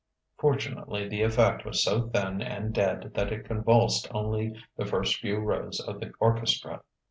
Fortunately, the effect was so thin and dead that it convulsed only the first few rows of the orchestra.